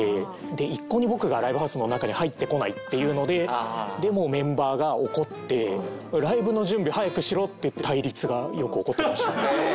一向に僕がライブハウスの中に入ってこないっていうのでもうメンバーが怒って「ライブの準備早くしろ」っていう対立がよく起こっていました。